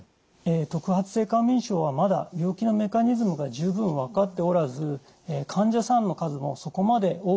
特発性過眠症はまだ病気のメカニズムが十分分かっておらず患者さんの数もそこまで多くありません。